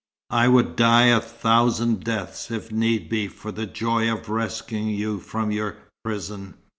I would die a thousand deaths if need be for the joy of rescuing you from your prison.